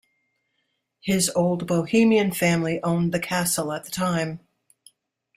His old Bohemian family owned the castle at the time.